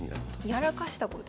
やらかしたこと？